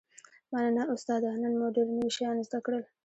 مننه استاده نن مو ډیر نوي شیان زده کړل